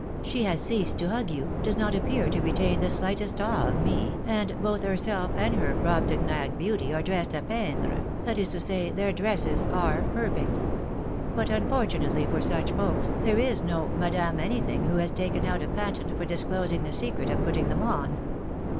"She has ceased to hug you, does not appear to retain the slightest awe of me, and both herself and her Brobdignag beauty are dressed a peindre, that is to say, their dresses are perfect. But unfortunately for such folks, there is no Madame anything who has taken out a patent for disclosing the secret of putting them on.